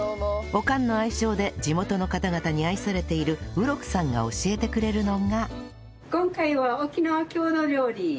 おかんの愛称で地元の方々に愛されている宇禄さんが教えてくれるのが